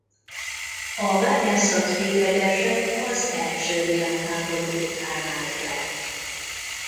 A bányászat véglegesen az első világháború után állt le.